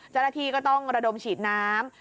เจ้าหน้าที่ก็ต้องระดมฉีดน้ำ